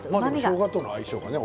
しょうがとの相性がね。